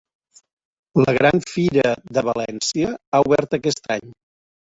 La Gran Fira de València ha obert aquest any